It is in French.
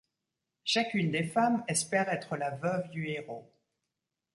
Chacune des femmes espère être la veuve du héros.